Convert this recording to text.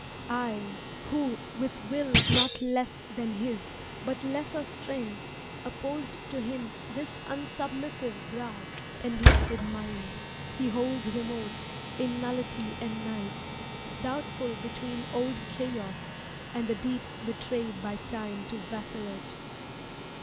" A ^\*\ V V c:*> ViJi^ I, who, with will not less Than His but lesser strength, opposed to Him This unsubmissive brow and lifted mind. He holds remote, in nullity and night Doubtful between old Chaos, and the deeps Betrayed by Time to vassalage.